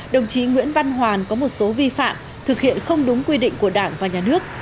đồng chí nguyễn văn hoàn có một số vi phạm thực hiện không đúng quy định của đảng và nhà nước